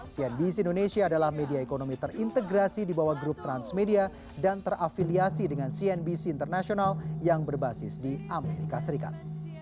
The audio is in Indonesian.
cnbc indonesia adalah media ekonomi terintegrasi di bawah grup transmedia dan terafiliasi dengan cnbc international yang berbasis di amerika serikat